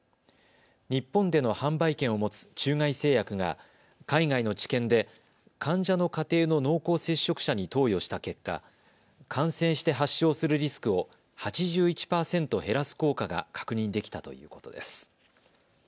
日本での販売権を持つ中外製薬が海外の治験で患者の家庭の濃厚接触者に投与した結果、感染して発症するリスクを８１％減らす効果が確認できたということです。